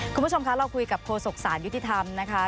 คุณผู้ชมคะเราคุยกับโฆษกศาลยุติธรรมนะคะ